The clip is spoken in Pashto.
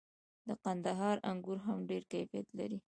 د کندهار انګور هم ډیر کیفیت لري.